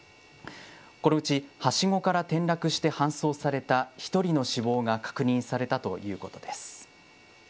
このうち、はしごから転落して搬送された１人の死亡が確認されたということです。